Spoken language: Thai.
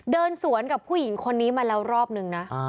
เดินสวนกับผู้หญิงคนนี้มาแล้วรอบนึงนะ